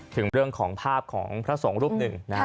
ถึงเรื่องของภาพของพระสงฆ์รูปหนึ่งนะฮะ